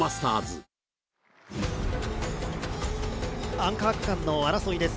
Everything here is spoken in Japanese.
アンカー区間の争いです。